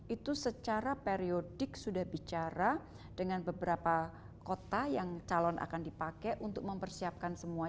itu secara periodik sudah bicara dengan beberapa kota yang calon akan dipakai untuk mempersiapkan semua